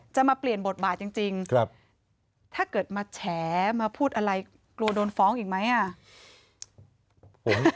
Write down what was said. จะมาเปลี่ยนบทบาทจริงถ้าเกิดมาแฉมาพูดอะไรกลัวโดนฟ้องอีกไหมอ่ะ